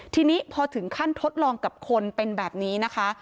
ทีนี้พอถึงขั้นทดลองกับคนเป็นแบบนี้นะคะ